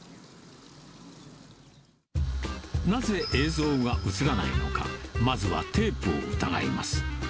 なぜ映像が映らないのか、まずはテープを疑います。